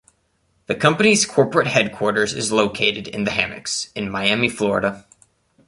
The company's corporate headquarters is located in The Hammocks, in Miami, Florida.